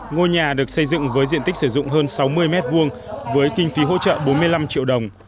ngôi nhà được xây dựng với diện tích sử dụng hơn sáu mươi m hai với kinh phí hỗ trợ bốn mươi năm triệu đồng